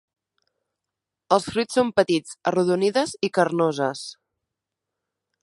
Els fruits són petits, arrodonides i carnoses.